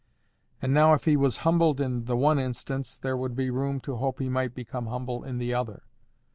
And now if he was humbled in the one instance, there would be room to hope he might become humble in the other.